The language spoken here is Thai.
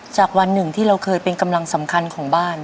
จากวันหนึ่งที่เราเคยเป็นกำลังสำคัญของบ้าน